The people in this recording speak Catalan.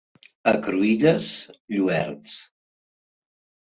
A Cruïlles, lluerts.